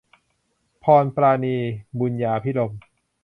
พรปราณี บุญญาภิรมย์